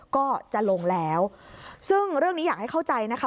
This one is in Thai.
ก็จะลงแล้วซึ่งเรื่องนี้อยากให้เข้าใจนะคะ